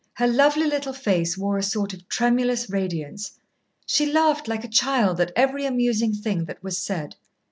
Her lovely little face wore a sort of tremulous radiance. She laughed like a child at every amusing thing that was said.